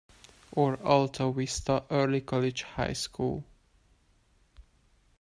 or Alta Vista Early College High School.